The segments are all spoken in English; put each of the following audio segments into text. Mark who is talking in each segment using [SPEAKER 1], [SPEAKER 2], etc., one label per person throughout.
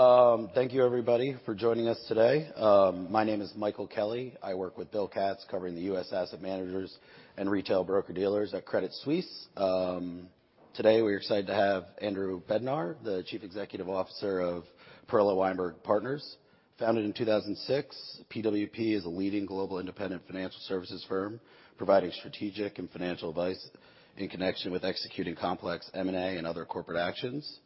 [SPEAKER 1] Great. Thank you everybody for joining us today. My name is Michael Kelly. I work with Bill Katz, covering the US asset managers and retail broker-dealers at Credit Suisse. Today, we're excited to have Andrew Bednar, the Chief Executive Officer of Perella Weinberg Partners. Founded in 2006, PWP is a leading global independent financial services firm providing strategic and financial advice in connection with executing complex M&A and other corporate actions.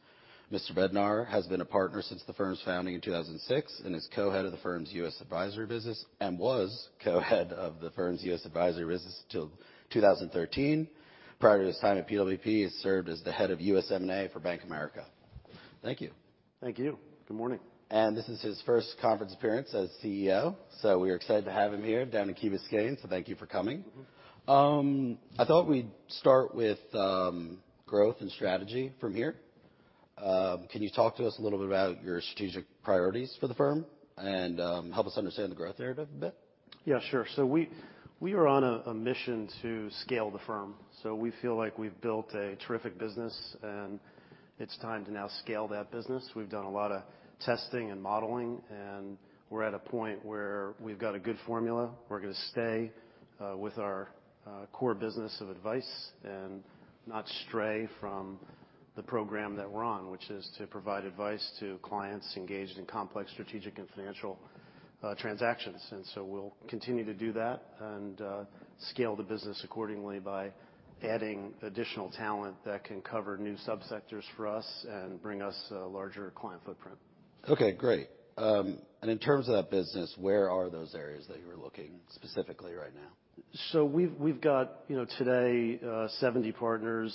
[SPEAKER 1] Mr. Bednar has been a partner since the firm's founding in 2006, and is co-head of the firm's US advisory business and was co-head of the firm's U.S. advisory business till 2013. Prior to his time at PWP, he served as the head of U.S. M&A for Bank of America. Thank you.
[SPEAKER 2] Thank you. Good morning.
[SPEAKER 1] This is his first conference appearance as CEO, so we're excited to have him here down in Key Biscayne, so thank you for coming.
[SPEAKER 2] Mm-hmm.
[SPEAKER 1] I thought we'd start with growth and strategy from here. Can you talk to us a little bit about your strategic priorities for the firm and help us understand the growth there a bit?
[SPEAKER 2] Yeah, sure. We are on a mission to scale the firm. We feel like we've built a terrific business, and it's time to now scale that business. We've done a lot of testing and modeling, and we're at a point where we've got a good formula. We're gonna stay with our core business of advice and not stray from the program that we're on, which is to provide advice to clients engaged in complex strategic and financial transactions. We'll continue to do that and scale the business accordingly by adding additional talent that can cover new subsectors for us and bring us a larger client footprint.
[SPEAKER 1] Okay, great. In terms of that business, where are those areas that you're looking specifically right now?
[SPEAKER 2] We've got, you know, today, 70 partners,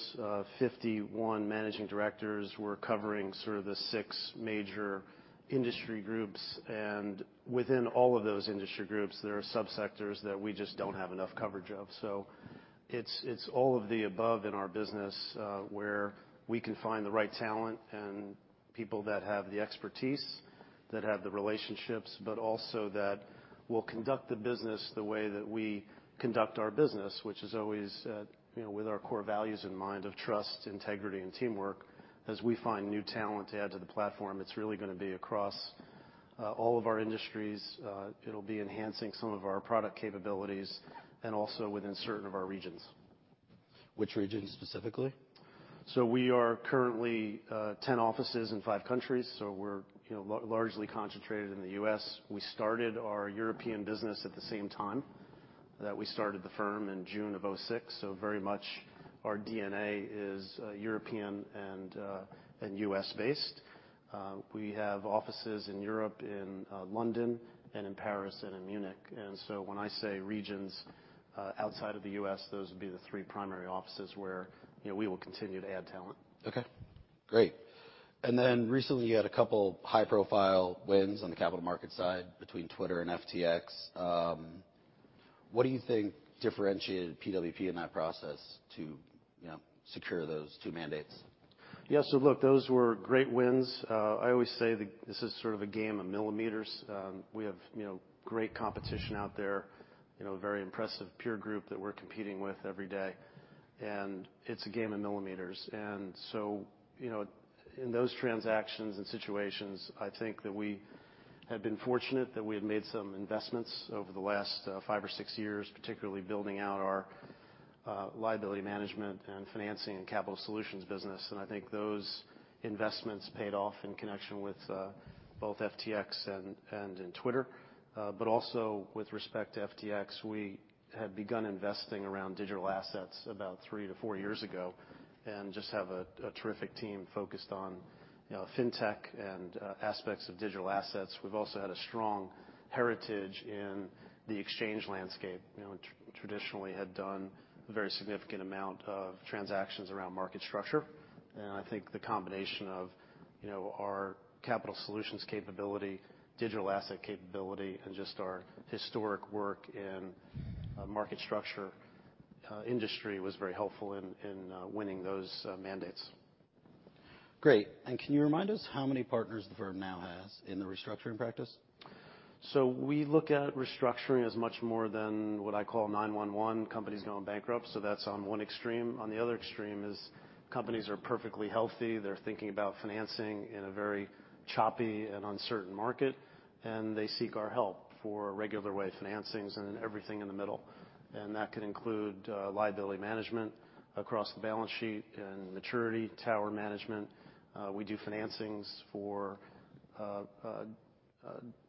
[SPEAKER 2] 51 managing directors. We're covering sort of the six major industry groups, and within all of those industry groups, there are subsectors that we just don't have enough coverage of. It's all of the above in our business, where we can find the right talent and people that have the expertise, that have the relationships, but also that will conduct the business the way that we conduct our business, which is always, you know, with our core values in mind of trust, integrity, and teamwork. As we find new talent to add to the platform, it's really gonna be across all of our industries. It'll be enhancing some of our product capabilities and also within certain of our regions.
[SPEAKER 1] Which regions specifically?
[SPEAKER 2] We are currently 10 offices in five countries, so we're, you know, largely concentrated in the U.S. We started our European business at the same time that we started the firm in June of 2006, so very much our DNA is European and U.S.-based. We have offices in Europe, in London and in Paris and in Munich. When I say regions, outside of the U.S., those would be the three primary offices where, you know, we will continue to add talent.
[SPEAKER 1] Okay, great. Recently, you had a couple high-profile wins on the capital markets side between Twitter and FTX. What do you think differentiated PWP in that process to, you know, secure those two mandates?
[SPEAKER 2] Yeah. Look, those were great wins. I always say this is sort of a game of millimeters. We have, you know, great competition out there, you know, a very impressive peer group that we're competing with every day, it's a game of millimeters. You know, in those transactions and situations, I think that we have been fortunate that we have made some investments over the last 5 or 6 years, particularly building out our liability management and financing and capital solutions business. I think those investments paid off in connection with both FTX and in Twitter. Also with respect to FTX, we had begun investing around digital assets about 3 to 4 years ago and just have a terrific team focused on, you know, fintech and aspects of digital assets. We've also had a strong heritage in the exchange landscape, you know, traditionally had done a very significant amount of transactions around market structure. I think the combination of, you know, our capital solutions capability, digital asset capability, and just our historic work in market structure industry was very helpful in winning those mandates.
[SPEAKER 1] Great. Can you remind us how many partners the firm now has in the restructuring practice?
[SPEAKER 2] We look at restructuring as much more than what I call 9-1-1, companies going bankrupt. That's on one extreme. On the other extreme is companies are perfectly healthy. They're thinking about financing in a very choppy and uncertain market, and they seek our help for regular way financings and everything in the middle. That can include liability management across the balance sheet and maturity tower management. We do financings for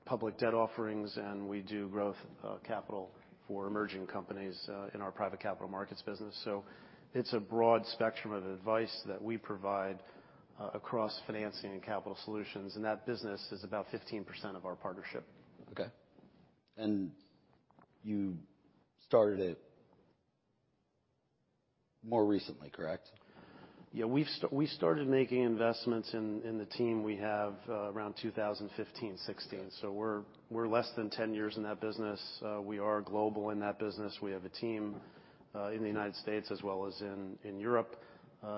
[SPEAKER 2] public debt offerings, and we do growth capital for emerging companies in our private capital markets business. It's a broad spectrum of advice that we provide across financing and capital solutions, and that business is about 15% of our partnership.
[SPEAKER 1] Okay. You started it more recently, correct?
[SPEAKER 2] Yeah. We started making investments in the team we have, around 2015, 2016, so we're less than 10 years in that business. We are global in that business. We have a team in the United States as well as in Europe.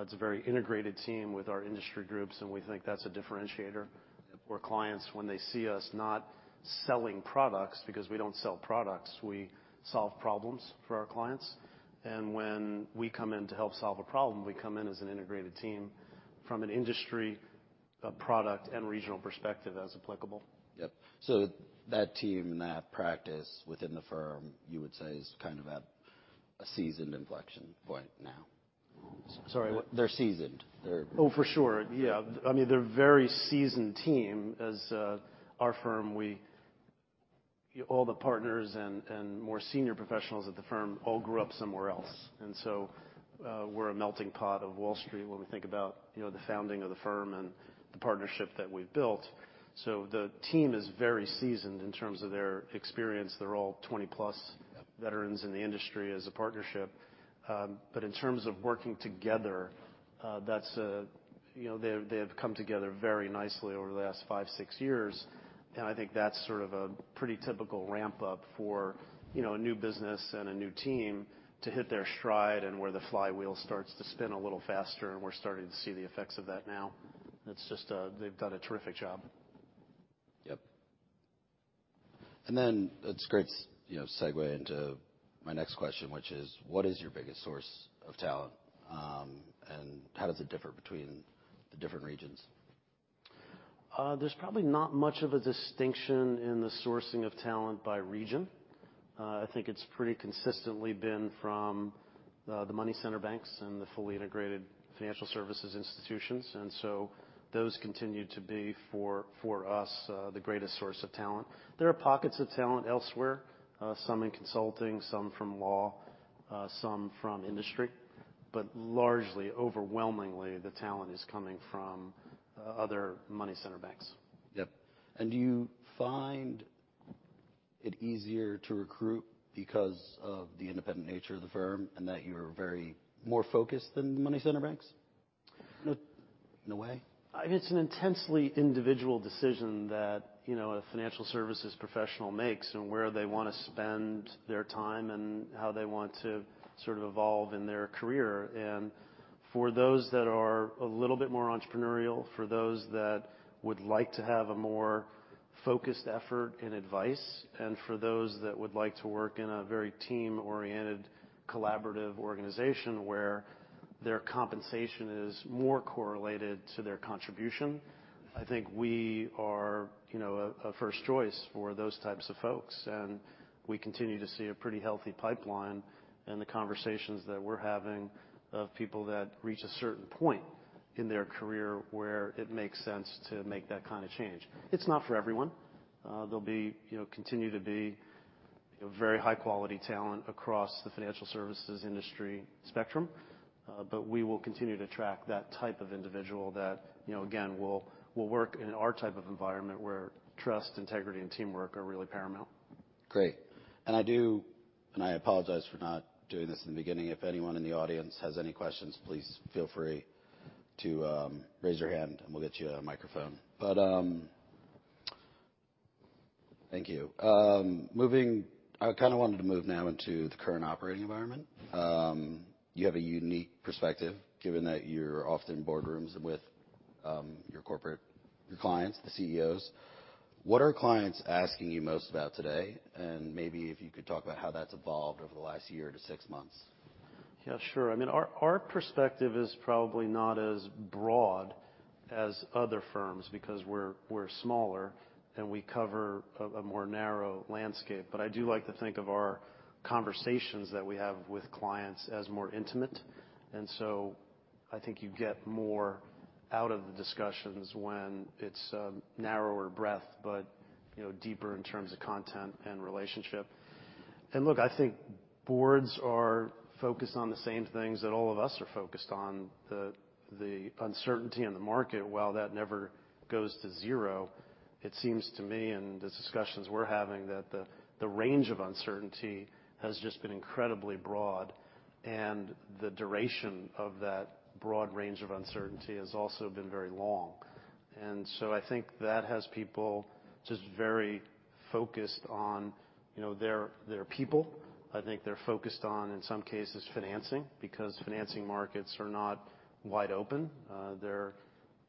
[SPEAKER 2] It's a very integrated team with our industry groups, and we think that's a differentiator. Where clients, when they see us not selling products because we don't sell products, we solve problems for our clients. When we come in to help solve a problem, we come in as an integrated team from an industry, a product, and regional perspective as applicable.
[SPEAKER 1] Yep. That team, that practice within the firm, you would say, is kind of at a seasoned inflection point now?
[SPEAKER 2] Sorry, what-
[SPEAKER 1] They're seasoned.
[SPEAKER 2] Oh, for sure. Yeah. I mean, they're a very seasoned team as our firm. All the partners and more senior professionals at the firm all grew up somewhere else. We're a melting pot of Wall Street when we think about, you know, the founding of the firm and the partnership that we've built. The team is very seasoned in terms of their experience. They're all 20-plus veterans in the industry as a partnership. In terms of working together, You know, they have come together very nicely over the last 5, 6 years. I think that's sort of a pretty typical ramp-up for, you know, a new business and a new team to hit their stride and where the flywheel starts to spin a little faster, and we're starting to see the effects of that now. It's just They've done a terrific job.
[SPEAKER 1] Yep. It's a great, you know, segue into my next question, which is, what is your biggest source of talent, and how does it differ between the different regions?
[SPEAKER 2] There's probably not much of a distinction in the sourcing of talent by region. I think it's pretty consistently been from the money center banks and the fully integrated financial services institutions. Those continue to be, for us, the greatest source of talent. There are pockets of talent elsewhere, some in consulting, some from law, some from industry. Largely, overwhelmingly, the talent is coming from other money center banks.
[SPEAKER 1] Yep. Do you find it easier to recruit because of the independent nature of the firm, and that you're very more focused than the money center banks?
[SPEAKER 2] No.
[SPEAKER 1] No way?
[SPEAKER 2] I mean, it's an intensely individual decision that, you know, a financial services professional makes and where they wanna spend their time and how they want to sort of evolve in their career. For those that are a little bit more entrepreneurial, for those that would like to have a more focused effort and advice, and for those that would like to work in a very team-oriented, collaborative organization where their compensation is more correlated to their contribution, I think we are, you know, a first choice for those types of folks. We continue to see a pretty healthy pipeline in the conversations that we're having of people that reach a certain point in their career where it makes sense to make that kind of change. It's not for everyone. You know, continue to be very high-quality talent across the financial services industry spectrum. We will continue to attract that type of individual that, you know, again, will work in our type of environment where trust, integrity, and teamwork are really paramount.
[SPEAKER 1] Great. I apologize for not doing this in the beginning. If anyone in the audience has any questions, please feel free to raise your hand, and we'll get you a microphone. Thank you. I kind of wanted to move now into the current operating environment. You have a unique perspective given that you're often in boardrooms with your clients, the CEOs. What are clients asking you most about today? Maybe if you could talk about how that's evolved over the last year to 6 months.
[SPEAKER 2] Yeah, sure. I mean, our perspective is probably not as broad as other firms because we're smaller, and we cover a more narrow landscape. I do like to think of our conversations that we have with clients as more intimate. So I think you get more out of the discussions when it's a narrower breadth but, you know, deeper in terms of content and relationship. Look, I think boards are focused on the same things that all of us are focused on. The, the uncertainty in the market, while that never goes to zero, it seems to me in the discussions we're having, that the range of uncertainty has just been incredibly broad, and the duration of that broad range of uncertainty has also been very long. So I think that has people just very focused on, you know, their people. I think they're focused on, in some cases, financing because financing markets are not wide open. There,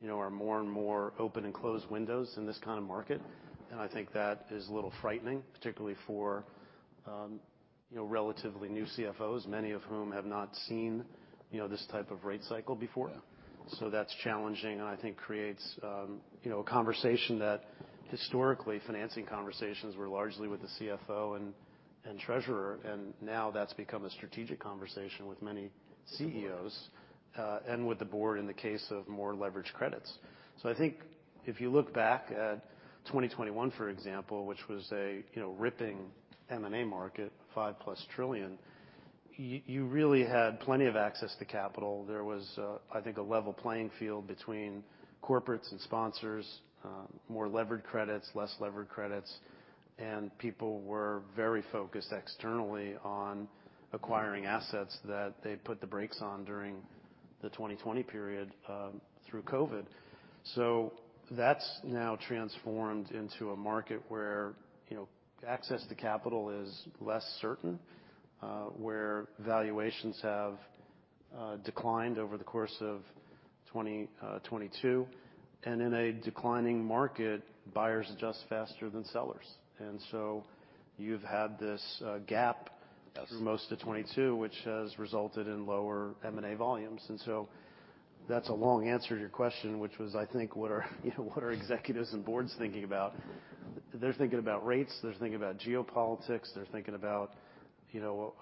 [SPEAKER 2] you know, are more and more open and closed windows in this kind of market. I think that is a little frightening, particularly for, you know, relatively new CFOs, many of whom have not seen, you know, this type of rate cycle before.
[SPEAKER 1] Yeah.
[SPEAKER 2] That's challenging, and I think creates, you know, a conversation that historically financing conversations were largely with the CFO and treasurer. Now that's become a strategic conversation with many CEOs and with the board in the case of more leveraged credits. I think if you look back at 2021, for example, which was a, you know, ripping M&A market, $5+ trillion, you really had plenty of access to capital. There was, I think, a level playing field between corporates and sponsors, more levered credits, less levered credits. People were very focused externally on acquiring assets that they put the brakes on during the 2020 period through COVID. That's now transformed into a market where, you know, access to capital is less certain, where valuations have declined over the course of 2022. In a declining market, buyers adjust faster than sellers. You've had this, gap.
[SPEAKER 1] Yes.
[SPEAKER 2] -through most of 2022, which has resulted in lower M&A volumes. That's a long answer to your question, which was, I think, what are, you know, what are executives and boards thinking about? They're thinking about rates, they're thinking about geopolitics. They're thinking about, you know,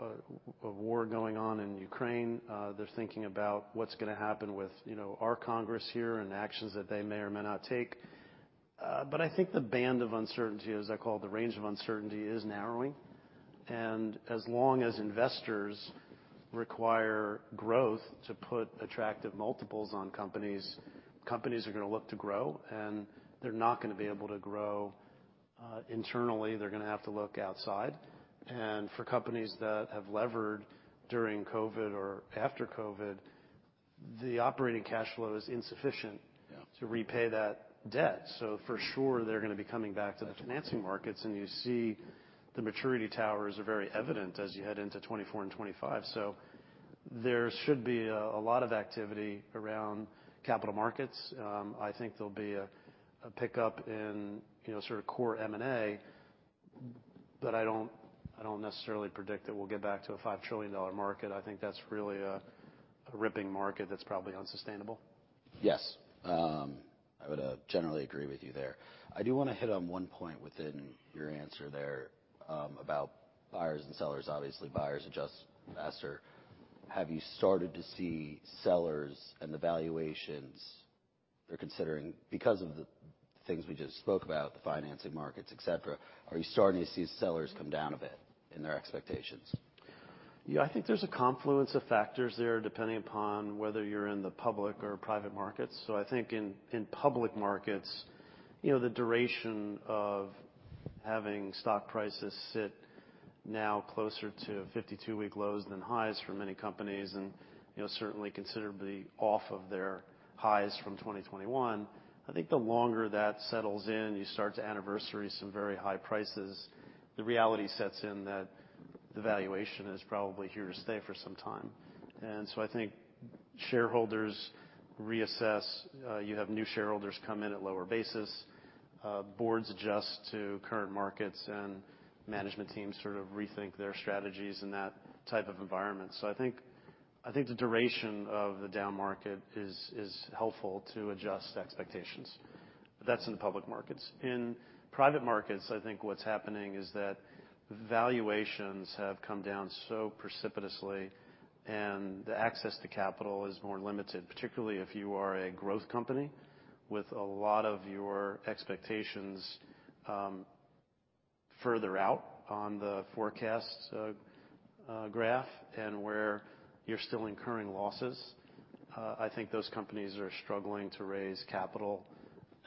[SPEAKER 2] a war going on in Ukraine. They're thinking about what's going to happen with, you know, our Congress here and the actions that they may or may not take. I think the band of uncertainty, as I call it, the range of uncertainty is narrowing. As long as investors require growth to put attractive multiples on companies are going to look to grow. They're not going to be able to grow internally, they're going to have to look outside. For companies that have levered during COVID or after COVID, the operating cash flow is insufficient-
[SPEAKER 1] Yeah.
[SPEAKER 2] -to repay that debt. For sure, they're gonna be coming back to the financing markets, and you see the maturity towers are very evident as you head into 2024 and 2025. There should be a lot of activity around capital markets. I think there'll be a pickup in, you know, sort of core M&A, but I don't, I don't necessarily predict that we'll get back to a $5 trillion market. I think that's really a ripping market that's probably unsustainable.
[SPEAKER 1] Yes. I would generally agree with you there. I do wanna hit on one point within your answer there about buyers and sellers. Obviously, buyers adjust faster. Have you started to see sellers and the valuations they're considering because of the things we just spoke about, the financing markets, et cetera, are you starting to see sellers come down a bit in their expectations?
[SPEAKER 2] I think there's a confluence of factors there, depending upon whether you're in the public or private markets. I think in public markets, you know, the duration of having stock prices sit now closer to 52-week lows than highs for many companies and, you know, certainly considerably off of their highs from 2021. I think the longer that settles in, you start to anniversary some very high prices, the reality sets in that the valuation is probably here to stay for some time. I think shareholders reassess. You have new shareholders come in at lower basis. Boards adjust to current markets and management teams sort of rethink their strategies in that type of environment. I think the duration of the down market is helpful to adjust expectations. That's in public markets. In private markets, I think what's happening is that valuations have come down so precipitously, and the access to capital is more limited, particularly if you are a growth company with a lot of your expectations further out on the forecast graph and where you're still incurring losses. I think those companies are struggling to raise capital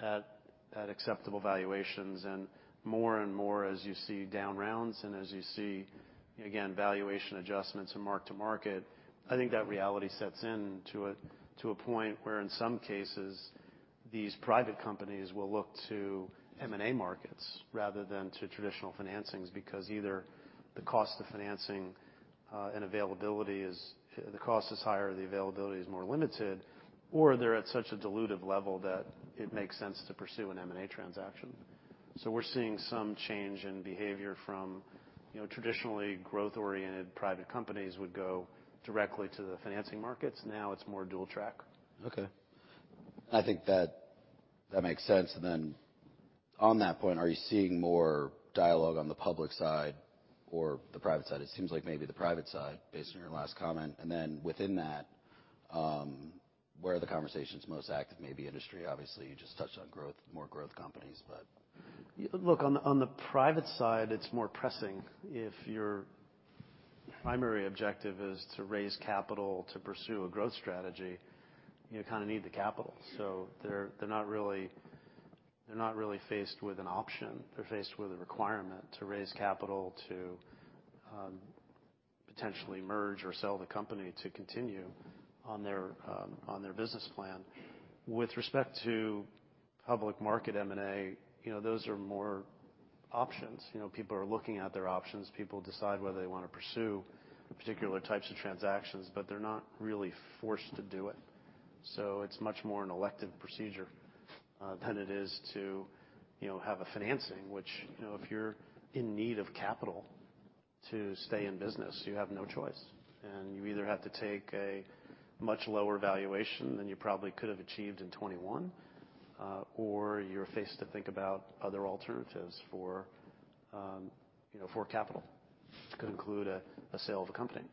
[SPEAKER 2] at acceptable valuations. More and more, as you see down rounds and as you see, again, valuation adjustments and mark-to-market, I think that reality sets in to a point where in some cases these private companies will look to M&A markets rather than to traditional financings because either the cost of financing and availability. The cost is higher, the availability is more limited, or they're at such a dilutive level that it makes sense to pursue an M&A transaction. We're seeing some change in behavior from, you know, traditionally growth-oriented private companies would go directly to the financing markets. Now it's more dual track.
[SPEAKER 1] Okay. I think that makes sense. On that point, are you seeing more dialogue on the public side or the private side? It seems like maybe the private side, based on your last comment. Within that, where are the conversations most active? Maybe industry, obviously, you just touched on growth, more growth companies, but...
[SPEAKER 2] Look, on the private side, it's more pressing. If your primary objective is to raise capital to pursue a growth strategy, you kinda need the capital. They're not really faced with an option. They're faced with a requirement to raise capital to potentially merge or sell the company to continue on their business plan. With respect to public market M&A, you know, those are more options. You know, people are looking at their options. People decide whether they wanna pursue particular types of transactions, but they're not really forced to do it. It's much more an elective procedure than it is to, you know, have a financing, which, you know, if you're in need of capital to stay in business, you have no choice. You either have to take a much lower valuation than you probably could have achieved in 2021, or you're faced to think about other alternatives for, you know, for capital to conclude a sale of a company.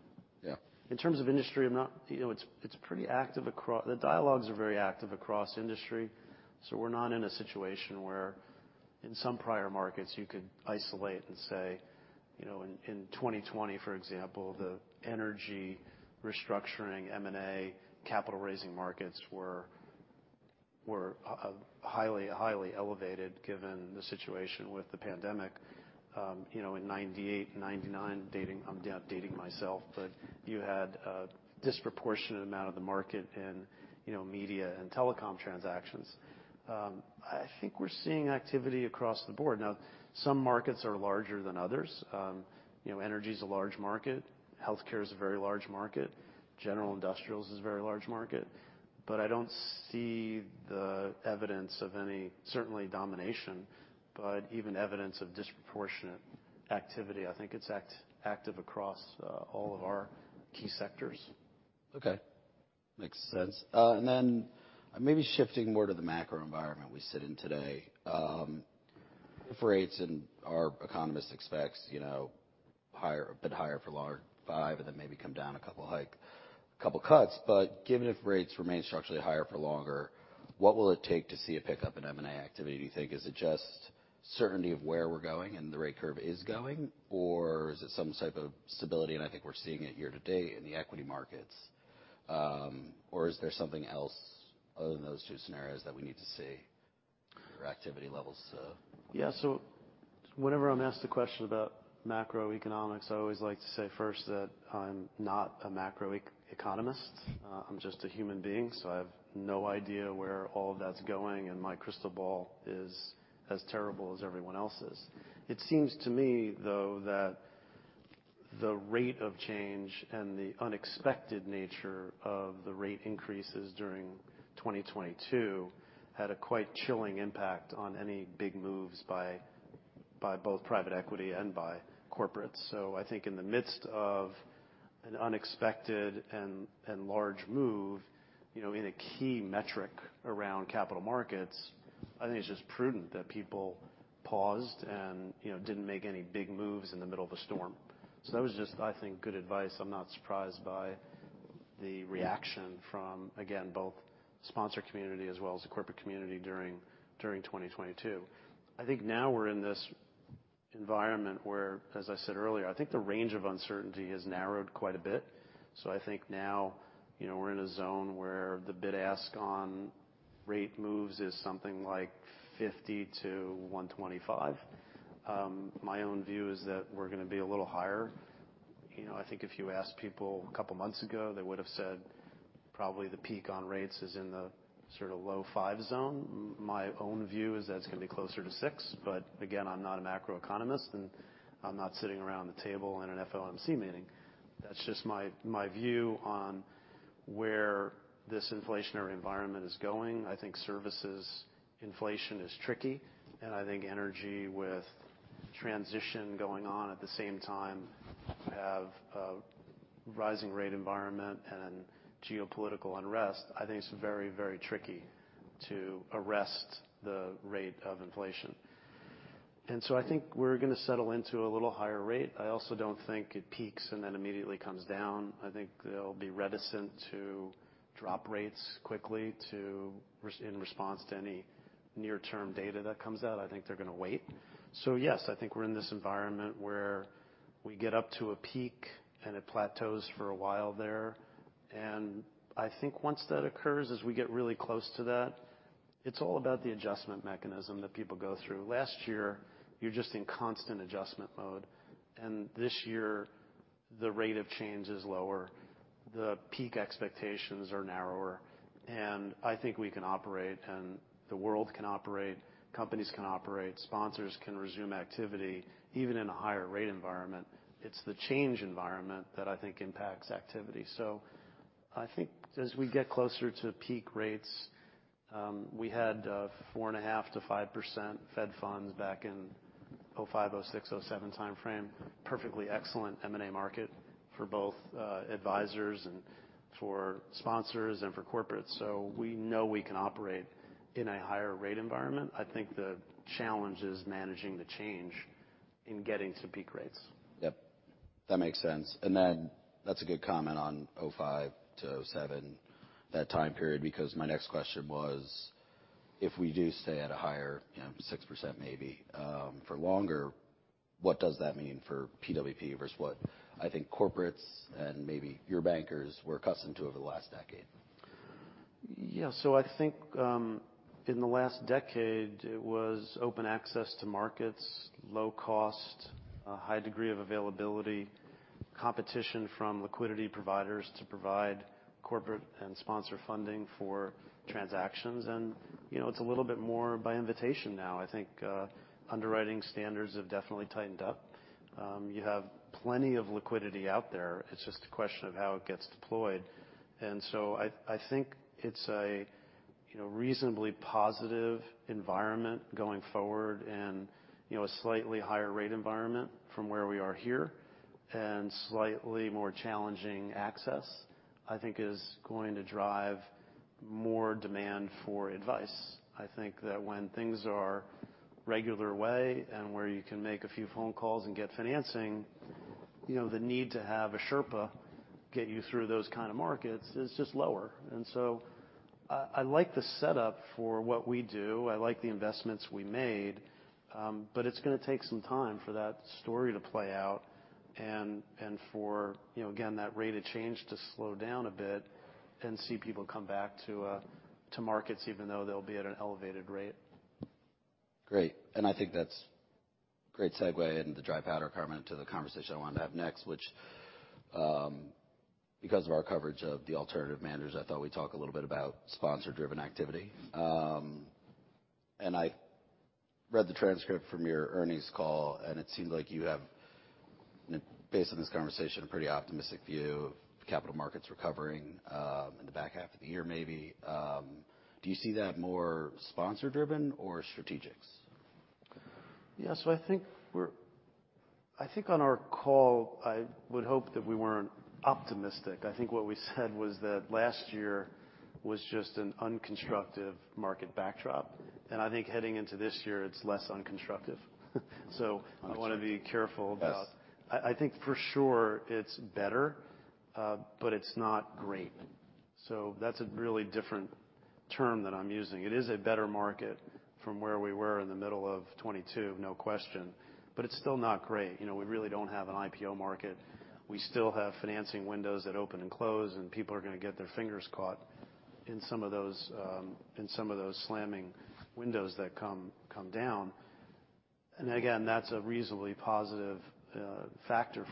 [SPEAKER 1] Yeah.
[SPEAKER 2] In terms of industry, I'm not. You know, it's pretty active. The dialogues are very active across industry, so we're not in a situation where in some prior markets, you could isolate and say, you know, in 2020, for example, the energy restructuring, M&A, capital raising markets were highly elevated given the situation with the pandemic. You know, in 1998 and 1999, dating. I'm dating myself, but you had a disproportionate amount of the market in, you know, media and telecom transactions. I think we're seeing activity across the board. Now, some markets are larger than others. You know, energy is a large market, healthcare is a very large market, general industrials is a very large market. But I don't see the evidence of any, certainly domination, but even evidence of disproportionate activity. I think it's active across all of our key sectors.
[SPEAKER 1] Okay. Makes sense. Maybe shifting more to the macro environment we sit in today, if rates and our economist expects, you know, a bit higher for longer five and then maybe come down a couple cuts. Given if rates remain structurally higher for longer, what will it take to see a pickup in M&A activity, do you think? Is it just certainty of where we're going and the rate curve is going? Is it some type of stability, and I think we're seeing it year-to-date in the equity markets? Is there something else other than those two scenarios that we need to see your activity levels?
[SPEAKER 2] Yeah. Whenever I'm asked a question about macroeconomics, I always like to say first that I'm not a macroeconomist. I'm just a human being, so I have no idea where all that's going, and my crystal ball is as terrible as everyone else's. It seems to me, though, that the rate of change and the unexpected nature of the rate increases during 2022 had a quite chilling impact on any big moves by both private equity and by corporates. I think in the midst of an unexpected and large move, you know, in a key metric around capital markets, I think it's just prudent that people paused and, you know, didn't make any big moves in the middle of a storm. That was just, I think, good advice. I'm not surprised by the reaction from, again, both sponsor community as well as the corporate community during 2022. I think now we're in this environment where, as I said earlier, I think the range of uncertainty has narrowed quite a bit. I think now, you know, we're in a zone where the bid ask on rate moves is something like 50-125. My own view is that we're gonna be a little higher. You know, I think if you asked people a couple months ago, they would have said probably the peak on rates is in the sort of low 5 zone. My own view is that it's gonna be closer to 6. Again, I'm not a macroeconomist, and I'm not sitting around the table in an FOMC meeting. That's just my view on where this inflationary environment is going. I think services inflation is tricky, and I think energy with transition going on at the same time have a rising rate environment and geopolitical unrest. I think it's very, very tricky to arrest the rate of inflation. I think we're gonna settle into a little higher rate. I also don't think it peaks and then immediately comes down. I think they'll be reticent to drop rates quickly in response to any near-term data that comes out. I think they're gonna wait. Yes, I think we're in this environment where we get up to a peak and it plateaus for a while there. I think once that occurs, as we get really close to that, it's all about the adjustment mechanism that people go through. Last year, you're just in constant adjustment mode, and this year the rate of change is lower, the peak expectations are narrower. I think we can operate, and the world can operate, companies can operate, sponsors can resume activity even in a higher rate environment. It's the change environment that I think impacts activity. I think as we get closer to peak rates, we had 4.5%-5% Fed funds back in 2005, 2006, 2007 timeframe. Perfectly excellent M&A market for both advisors and for sponsors and for corporates. We know we can operate in a higher rate environment. I think the challenge is managing the change in getting to peak rates.
[SPEAKER 1] Yep, that makes sense. That's a good comment on 2005-2007, that time period, because my next question was, if we do stay at a higher, you know, 6% maybe, for longer, what does that mean for PWP versus what I think corporates and maybe your bankers were accustomed to over the last decade?
[SPEAKER 2] Yeah. I think, in the last decade it was open access to markets, low cost, a high degree of availability, competition from liquidity providers to provide corporate and sponsor funding for transactions. You know, it's a little bit more by invitation now. I think, underwriting standards have definitely tightened up. You have plenty of liquidity out there. It's just a question of how it gets deployed. I think it's a, you know, reasonably positive environment going forward and, you know, a slightly higher rate environment from where we are here. Slightly more challenging access, I think is going to drive more demand for advice. I think that when things are regular way and where you can make a few phone calls and get financing, you know, the need to have a Sherpa get you through those kind of markets is just lower. I like the setup for what we do. I like the investments we made, but it's gonna take some time for that story to play out and for, you know, again, that rate of change to slow down a bit and see people come back to markets even though they'll be at an elevated rate.
[SPEAKER 1] Great. I think that's great segue and the dry powder comment to the conversation I wanted to have next, which, because of our coverage of the alternative managers, I thought we'd talk a little bit about sponsor-driven activity. I read the transcript from your earnings call, and it seemed like you have, based on this conversation, a pretty optimistic view of capital markets recovering, in the back half of the year, maybe. Do you see that more sponsor-driven or strategics?
[SPEAKER 2] I think on our call, I would hope that we weren't optimistic. I think what we said was that last year was just an unconstructive market backdrop, I think heading into this year it's less unconstructive.
[SPEAKER 1] Understood.
[SPEAKER 2] I wanna be careful about.
[SPEAKER 1] Yes.
[SPEAKER 2] I think for sure it's better, but it's not great. That's a really different term that I'm using. It is a better market from where we were in the middle of 2022, no question. It's still not great. You know, we really don't have an IPO market. We still have financing windows that open and close. People are gonna get their fingers caught in some of those, in some of those slamming windows that come down. Again, that's a reasonably positive factor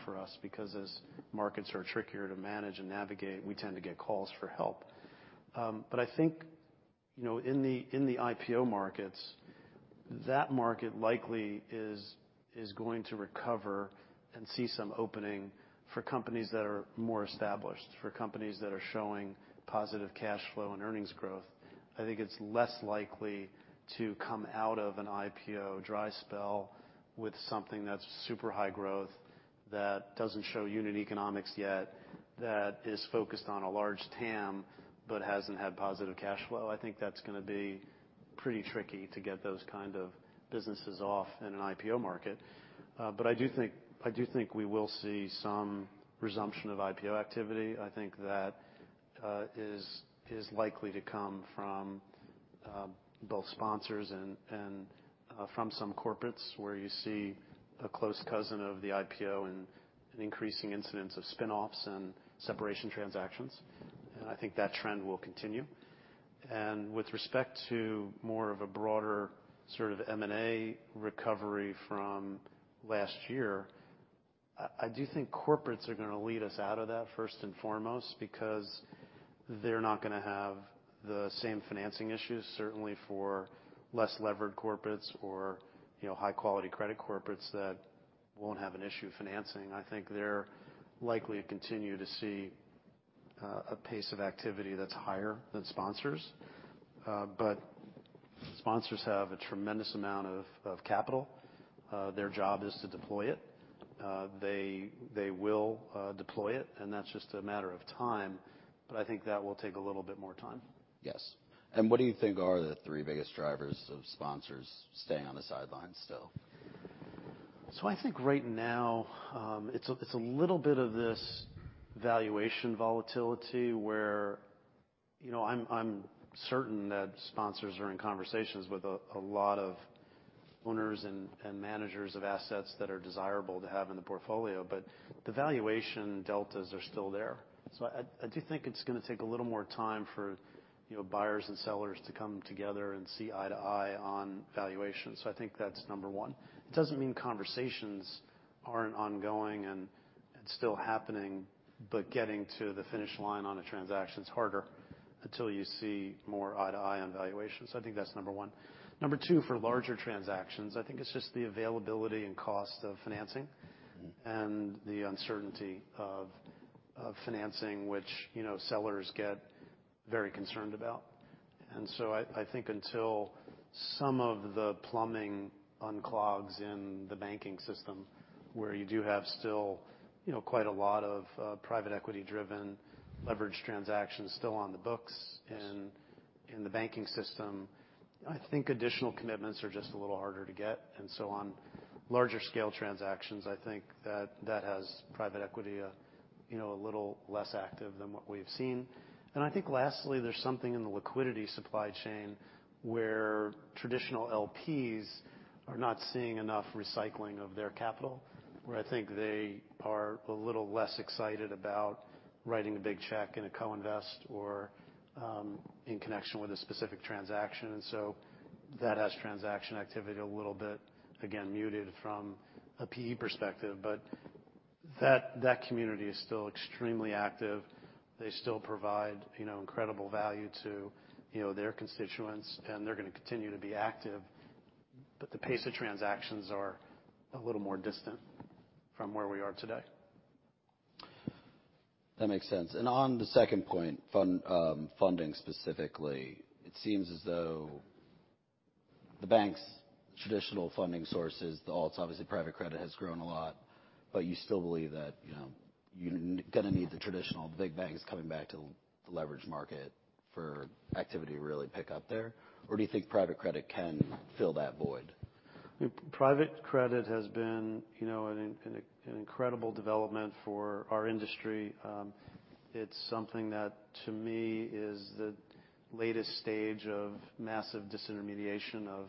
[SPEAKER 2] for us because as markets are trickier to manage and navigate, we tend to get calls for help. I think, you know, in the IPO markets, that market likely is going to recover and see some opening for companies that are more established, for companies that are showing positive cash flow and earnings growth. I think it's less likely to come out of an IPO dry spell with something that's super high growth that doesn't show unit economics yet, that is focused on a large TAM, but hasn't had positive cash flow. I think that's gonna be pretty tricky to get those kind of businesses off in an IPO market. I do think we will see some resumption of IPO activity. I think that is likely to come from both sponsors and from some corporates, where you see a close cousin of the IPO in an increasing incidence of spinoffs and separation transactions. I think that trend will continue. With respect to more of a broader sort of M&A recovery from last year, I do think corporates are gonna lead us out of that first and foremost, because they're not gonna have the same financing issues, certainly for less levered corporates or, you know, high quality credit corporates that won't have an issue financing. I think they're likely to continue to see a pace of activity that's higher than sponsors. Sponsors have a tremendous amount of capital. Their job is to deploy it. They will deploy it, and that's just a matter of time, but I think that will take a little bit more time.
[SPEAKER 1] Yes. What do you think are the three biggest drivers of sponsors staying on the sidelines still?
[SPEAKER 2] I think right now, it's a little bit of this valuation volatility where, you know, I'm certain that sponsors are in conversations with a lot of owners and managers of assets that are desirable to have in the portfolio, but the valuation deltas are still there. I do think it's gonna take a little more time for, you know, buyers and sellers to come together and see eye to eye on valuation. I think that's number one. It doesn't mean conversations aren't ongoing, and it's still happening, but getting to the finish line on a transaction's harder until you see more eye to eye on valuation. I think that's number one. Number two, for larger transactions, I think it's just the availability and cost of financing.
[SPEAKER 1] Mm-hmm...
[SPEAKER 2] and the uncertainty of financing, which, you know, sellers get very concerned about. I think until some of the plumbing unclogs in the banking system, where you do have still, you know, quite a lot of private equity-driven leverage transactions still on the books.
[SPEAKER 1] Yes
[SPEAKER 2] in the banking system, I think additional commitments are just a little harder to get. On larger scale transactions, I think that has private equity, you know, a little less active than what we've seen. I think lastly, there's something in the liquidity supply chain where traditional LPs are not seeing enough recycling of their capital-
[SPEAKER 1] Mm-hmm...
[SPEAKER 2] where I think they are a little less excited about writing a big check in a co-invest or in connection with a specific transaction. That has transaction activity a little bit, again, muted from a PE perspective. That community is still extremely active. They still provide, you know, incredible value to, you know, their constituents, and they're gonna continue to be active, but the pace of transactions are a little more distant from where we are today.
[SPEAKER 1] That makes sense. On the second point, funding specifically, it seems as though the banks' traditional funding sources, the alts, obviously private credit has grown a lot, but you still believe that, you know, you're gonna need the traditional big banks coming back to leverage market for activity to really pick up there? Do you think private credit can fill that void?
[SPEAKER 2] Private credit has been, you know, an incredible development for our industry. It's something that, to me, is the latest stage of massive disintermediation of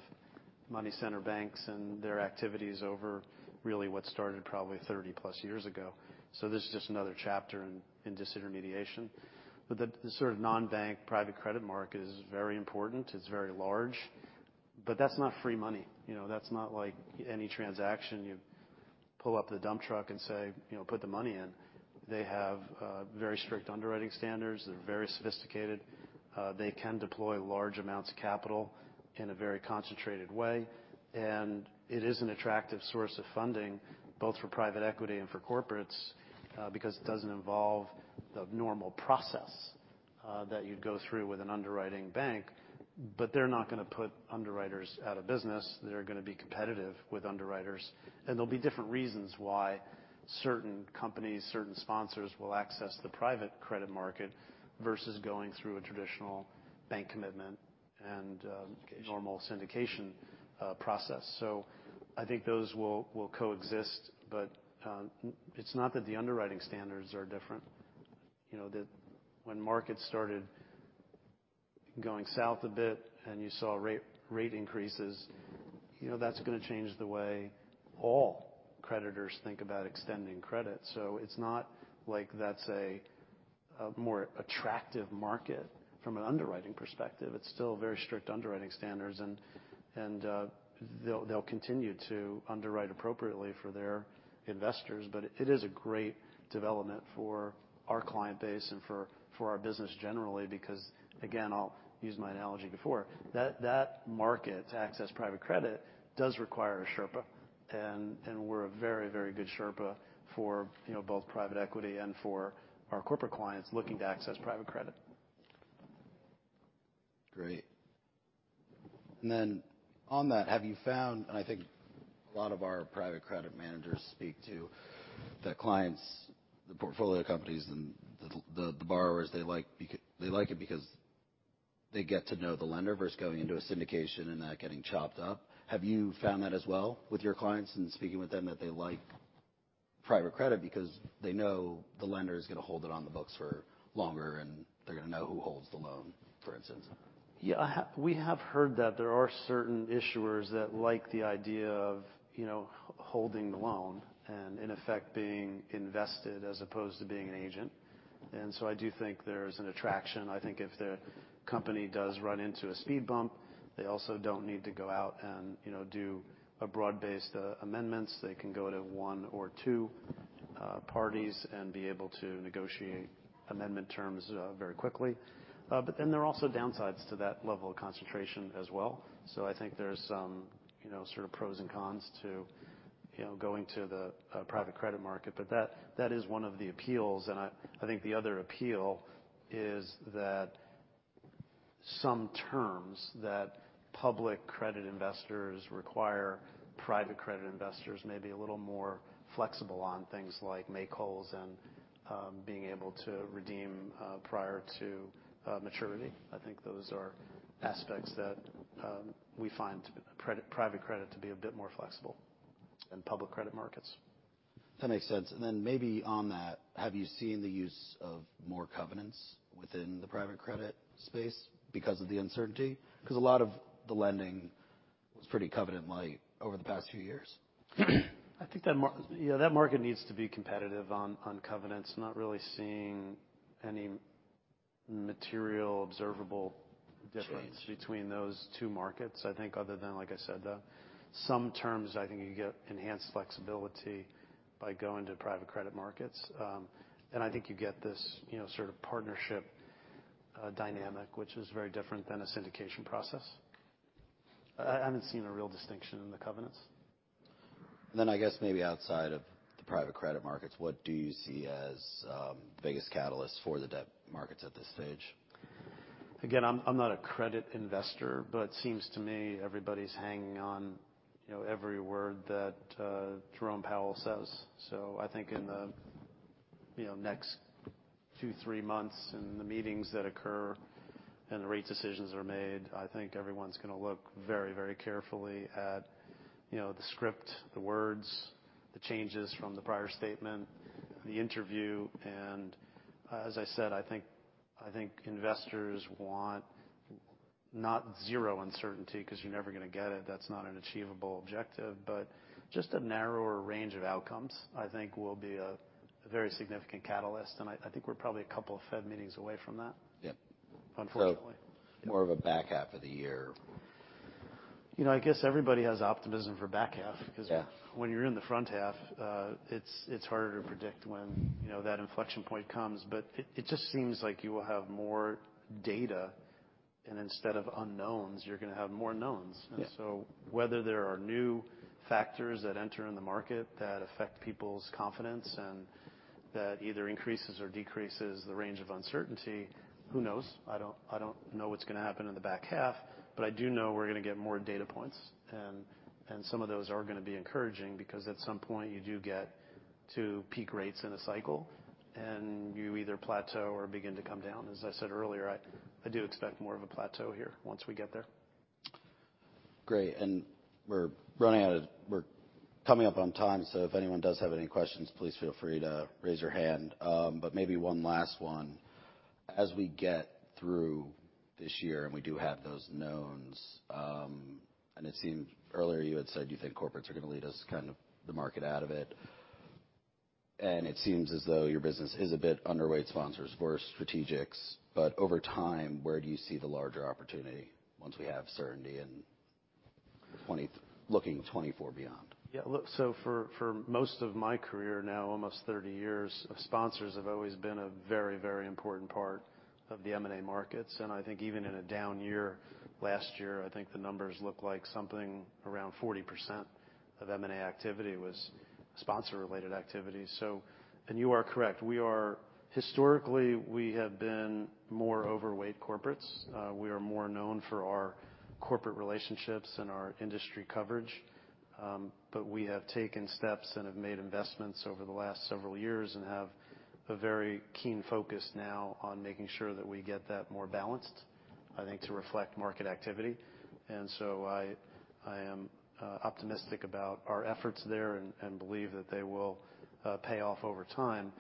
[SPEAKER 2] money center banks and their activities over really what started probably 30-plus years ago. This is just another chapter in disintermediation. The sort of non-bank private credit market is very important, it's very large, but that's not free money. You know, that's not like any transaction you pull up the dump truck and say, "You know, put the money in." They have very strict underwriting standards. They're very sophisticated. They can deploy large amounts of capital in a very concentrated way. It is an attractive source of funding, both for private equity and for corporates, because it doesn't involve the normal process that you'd go through with an underwriting bank. They're not gonna put underwriters out of business. They're gonna be competitive with underwriters, and there'll be different reasons why certain companies, certain sponsors will access the private credit market versus going through a traditional bank commitment and.
[SPEAKER 1] Okay...
[SPEAKER 2] normal syndication process. I think those will coexist, but it's not that the underwriting standards are different. You know, when markets started going south a bit and you saw rate increases, you know that's gonna change the way all creditors think about extending credit. It's not like that's a more attractive market from an underwriting perspective. It's still very strict underwriting standards and they'll continue to underwrite appropriately for their investors. It is a great development for our client base and for our business generally, because again, I'll use my analogy before. That market to access private credit does require a Sherpa and we're a very good Sherpa for, you know, both private equity and for our corporate clients looking to access private credit.
[SPEAKER 1] Great. Then on that, have you found. I think a lot of our private credit managers speak to the clients, the portfolio companies and the borrowers, they like it because they get to know the lender versus going into a syndication and that getting chopped up. Have you found that as well with your clients in speaking with them, that they like private credit because they know the lender is gonna hold it on the books for longer, and they're gonna know who holds the loan, for instance?
[SPEAKER 2] Yeah. We have heard that there are certain issuers that like the idea of, you know, holding the loan and in effect being invested as opposed to being an agent. I do think there's an attraction. I think if the company does run into a speed bump, they also don't need to go out and, you know, do a broad-based amendments. They can go to one or two parties and be able to negotiate amendment terms very quickly. There are also downsides to that level of concentration as well. I think there's some, you know, sort of pros and cons to, you know, going to the private credit market. That is one of the appeals. I think the other appeal is that some terms that public credit investors require, private credit investors may be a little more flexible on things like make-wholes and being able to redeem prior to maturity. I think those are aspects that we find private credit to be a bit more flexible than public credit markets.
[SPEAKER 1] That makes sense. Maybe on that, have you seen the use of more covenants within the private credit space because of the uncertainty? A lot of the lending was pretty covenant-lite over the past few years.
[SPEAKER 2] I think that, yeah, that market needs to be competitive on covenants. Not really seeing any material observable difference...
[SPEAKER 1] Change...
[SPEAKER 2] between those two markets, I think other than, like I said, some terms I think you get enhanced flexibility by going to private credit markets. I think you get this, you know, sort of partnership dynamic, which is very different than a syndication process. I haven't seen a real distinction in the covenants.
[SPEAKER 1] I guess maybe outside of the private credit markets, what do you see as the biggest catalyst for the debt markets at this stage?
[SPEAKER 2] Again, I'm not a credit investor, but it seems to me everybody's hanging on, you know, every word that Jerome Powell says. I think in the, you know, next 2, 3 months in the meetings that occur and the rate decisions are made, I think everyone's gonna look very carefully at, you know, the script, the words, the changes from the prior statement, the interview. And, as I said, I think investors want not zero uncertainty, 'cause you're never gonna get it, that's not an achievable objective, but just a narrower range of outcomes, I think will be a very significant catalyst. I think we're probably a couple of Fed meetings away from that.
[SPEAKER 1] Yeah.
[SPEAKER 2] Unfortunately.
[SPEAKER 1] More of a back half of the year.
[SPEAKER 2] You know, I guess everybody has optimism for back half.
[SPEAKER 1] Yeah
[SPEAKER 2] 'cause when you're in the front half, it's harder to predict when, you know, that inflection point comes. It just seems like you will have more data, and instead of unknowns, you're gonna have more knowns.
[SPEAKER 1] Yeah.
[SPEAKER 2] Whether there are new factors that enter in the market that affect people's confidence and that either increases or decreases the range of uncertainty, who knows? I don't know what's gonna happen in the back half, but I do know we're gonna get more data points. Some of those are gonna be encouraging, because at some point you do get to peak rates in a cycle, and you either plateau or begin to come down. As I said earlier, I do expect more of a plateau here once we get there.
[SPEAKER 1] Great. We're coming up on time, so if anyone does have any questions, please feel free to raise your hand. Maybe one last one. As we get through this year, and we do have those knowns, it seemed earlier you had said you think corporates are gonna lead us kind of the market out of it. It seems as though your business is a bit underweight sponsors versus strategics. Over time, where do you see the larger opportunity once we have certainty in looking 2024 beyond?
[SPEAKER 2] Yeah. Look, so for most of my career now, almost 30 years of sponsors have always been a very, very important part of the M&A markets. I think even in a down year, last year, I think the numbers look like something around 40% of M&A activity was sponsor-related activity. You are correct, we are historically, we have been more overweight corporates. We are more known for our corporate relationships and our industry coverage. We have taken steps and have made investments over the last several years and have a very keen focus now on making sure that we get that more balanced, I think, to reflect market activity. I am optimistic about our efforts there and believe that they will pay off over time.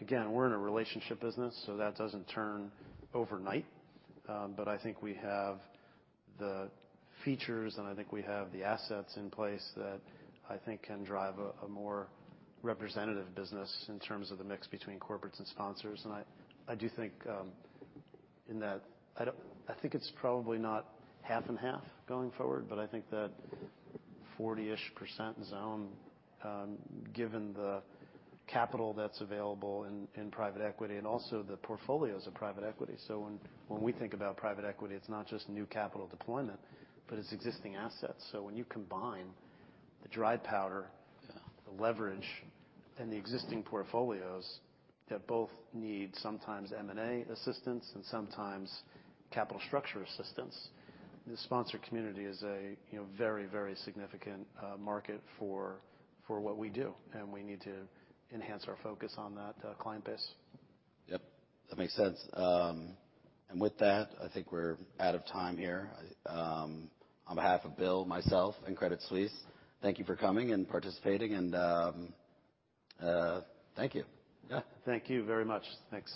[SPEAKER 2] Again, we're in a relationship business, so that doesn't turn overnight. I think we have the features, and I think we have the assets in place that I think can drive a more representative business in terms of the mix between corporates and sponsors. I do think, in that I think it's probably not half and half going forward, but I think that 40-ish% zone, given the capital that's available in private equity and also the portfolios of private equity. When we think about private equity, it's not just new capital deployment, but it's existing assets. When you combine the dry powder, the leverage, and the existing portfolios that both need sometimes M&A assistance and sometimes capital structure assistance, the sponsor community is a, you know, very, very significant market for what we do, and we need to enhance our focus on that client base.
[SPEAKER 1] Yep, that makes sense. With that, I think we're out of time here. On behalf of Bill, myself, and Credit Suisse, thank you for coming and participating, and thank you.
[SPEAKER 2] Yeah. Thank you very much. Thanks.